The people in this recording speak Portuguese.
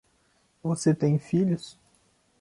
Você tem filhos?